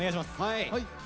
はい。